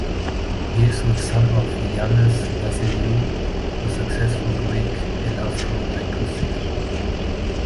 He is the son of Yiannis Vasileiou, a successful Greek elafro-laiko singer.